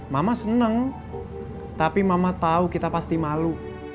mama seneng tapi mama tau kita pasti malu